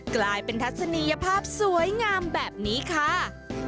กลายเป็นทัศนียภาพสวยงามแบบนี้ค่ะ